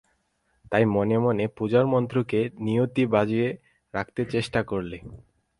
তাই মনে মনে পূজার মন্ত্রকে নিয়তই বাজিয়ে রাখতে চেষ্টা করলে।